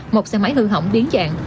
một xe máy hư hỏng biến dạng